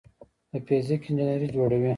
د فزیک انجینري جوړوي.